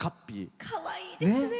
かわいいですね！